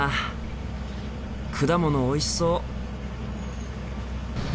果物おいしそう。